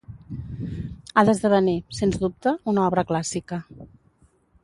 ha d'esdevenir, sens dubte, una obra clàssica